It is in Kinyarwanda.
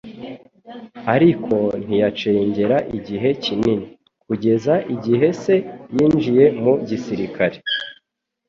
ariko ntiyacengera igihe kinini kugeza igihe se yinjiye mu gisirikare